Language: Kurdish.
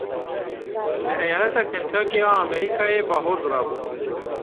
Li eyaleta Kentucky a Amerîkayê bahoz rabû.